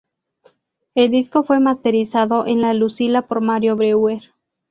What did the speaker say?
El disco fue masterizado en La Lucila por Mario Breuer.